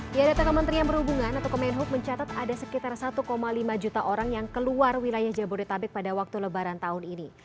di adat tkm yang berhubungan atau kemenhuk mencatat ada sekitar satu lima juta orang yang keluar wilayah jabodetabek pada waktu lebaran tahun ini